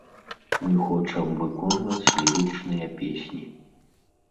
Мы хочам выконваць лірычныя песні.